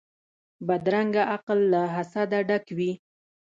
بدرنګه عقل له حسده ډک وي